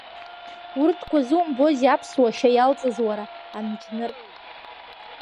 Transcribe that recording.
Урҭқәа зумбозеи аԥсуа шьа иалҵыз уара анџьныр!